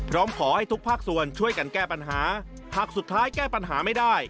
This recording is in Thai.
ร้องขอให้ทุกภาคส่วนช่วยกันแก้ปัญหาหากสุดท้ายแก้ปัญหาไม่ได้